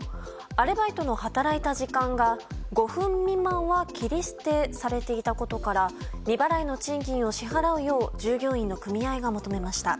アルバイトの働いた時間が５分未満は切り捨てされていたことから未払いの賃金を支払うよう従業員が組合に求めました。